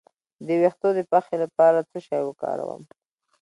د ویښتو د پخې لپاره باید څه شی وکاروم؟